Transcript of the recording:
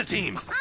あ。